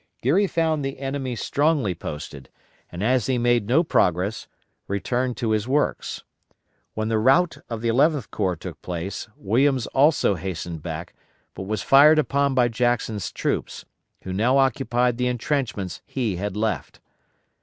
Geary found the enemy strongly posted, and as he made no progress, returned to his works. When the rout of the Eleventh Corps took place, Williams also hastened back, but was fired upon by Jackson's troops, who now occupied the intrenchments he had left.